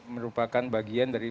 merupakan bagian dari